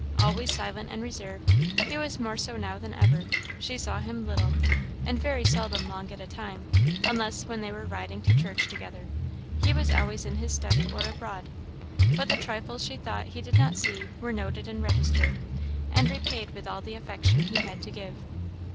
Always silent and reserved, he was more so now than ever; she saw him little, and very seldom long at a time, unless when they were riding to church together; he was always in his study or abroad. But the trifles she thought he did not see were noted and registered, and repaid with all the affection he had to give.